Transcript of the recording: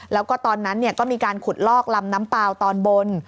แล้วก็ตอนนั้นก็มีการขุดลอกลำน้ำเปล่าตอนบน